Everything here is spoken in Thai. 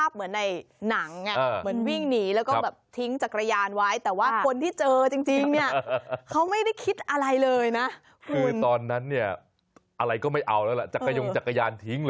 เฮ้อตายแล้วอันนี้ขนลุกอ่ะ